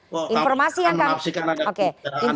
kau kan menafsikan ada pembicaraan begitu